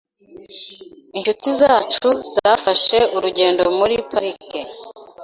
Inshuti zacu zafashe urugendo muri parike .